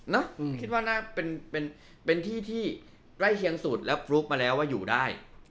คิดว่าน่าเป็นที่ที่ใกล้เคียงสุดแล้วฟลุกมาแล้วว่าอยู่ได้